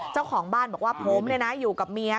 เจ้าของบ้านบอกว่าผมอยู่กับเมีย